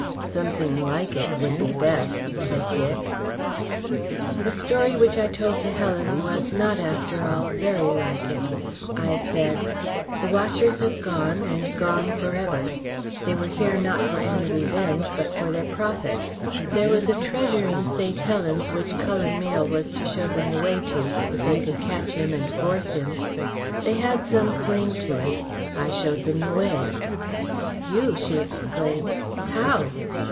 "Something like it would be best," said Dick. The story which I told to Helen was not after all very like it. I said: "The watchers have gone and gone for ever. They were here not for any revenge, but for their profit. There was a treasure in St. Helen's which Cullen Mayle was to show them the way to if they could catch him and force him. They had some claim to it I showed them the way." "You?" she exclaimed. "How?"